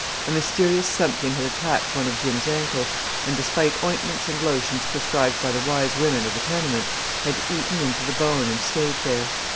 A mysterious something had attacked one of Jim's ankles, and, despite ointments and lotions prescribed by the wise women of the tenement, had eaten into the bone and stayed there.